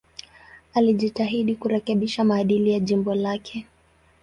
Alijitahidi kurekebisha maadili ya jimbo lake.